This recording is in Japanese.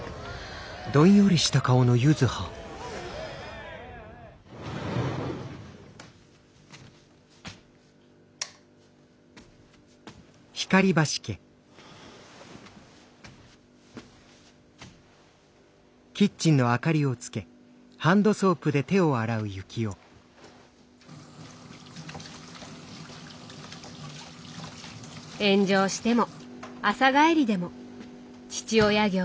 炎上しても朝帰りでも父親業に休みはない。